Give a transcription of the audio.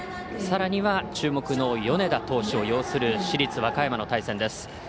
さらには注目の米田投手を擁する市立和歌山の対戦です。